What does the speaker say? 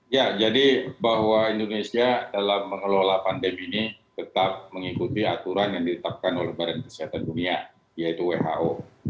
ya jadi bahwa indonesia dalam mengelola pandemi ini tetap mengikuti aturan yang ditetapkan oleh badan kesehatan dunia yaitu who